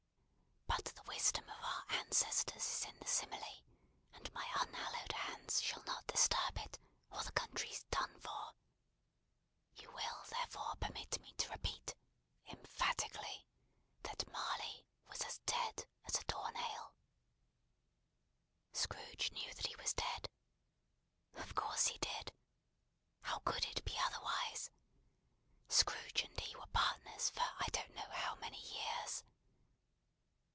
But the wisdom of our ancestors is in the simile; and my unhallowed hands shall not disturb it, or the Country's done for. You will therefore permit me to repeat, emphatically, that Marley was as dead as a door nail. Scrooge knew he was dead? Of course he did. How could it be otherwise? Scrooge and he were partners for I don't know how many years.